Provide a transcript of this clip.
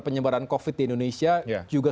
penyebaran covid di indonesia